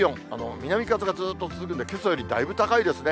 南風がずっと続くんで、けさよりだいぶ高いですね。